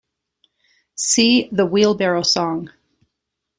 See "The Wheelbarrow Song".